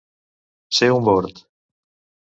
Ser un bord.